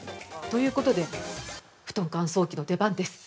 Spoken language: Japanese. ということで布団乾燥機の出番です。